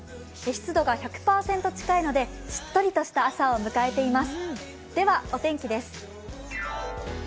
湿度が１００％近いのでしっとりとした朝を迎えています。